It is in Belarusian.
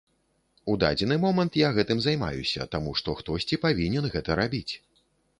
У дадзены момант я гэтым займаюся, таму што хтосьці павінен гэта рабіць.